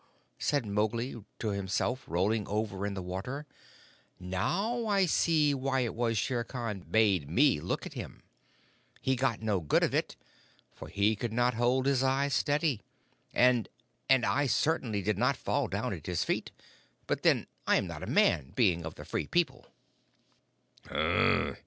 said Mowgli to himself, rolling over in the water. "Now I see why it was Shere Khan bade me look at him! He got no good of it, for he could not hold his eyes steady, and and I certainly did not fall down at his feet. But then I am not a man, being of the Free People."